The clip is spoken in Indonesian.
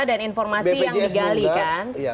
dan informasi yang digalikan